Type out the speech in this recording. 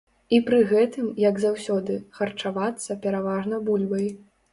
І пры гэтым, як заўсёды, харчавацца пераважна бульбай.